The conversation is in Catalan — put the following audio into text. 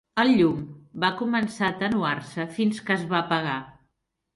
El llum va començar a atenuar-se fins que es va apagar.